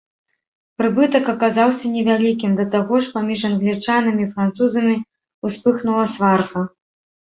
Прыбытак аказаўся не вялікім, да таго ж паміж англічанамі і французамі ўспыхнула сварка.